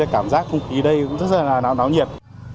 cảm giác không khí đây cũng rất là nóng nhật